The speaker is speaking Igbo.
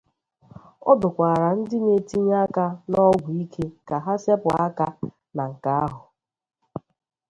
Ọ dụkwara ndị na-etinye aka n'ọgwụ ike ka ha sepu aka na nke ahụ